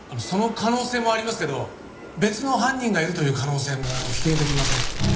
その可能性もありますけど別の犯人がいるという可能性も否定できません。